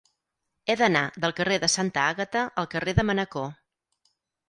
He d'anar del carrer de Santa Àgata al carrer de Manacor.